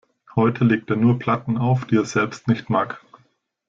Heute legt er nur Platten auf, die er selbst nicht mag.